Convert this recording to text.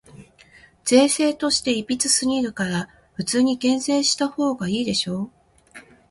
税制として歪すぎるから、普通に減税したほうがいいでしょ。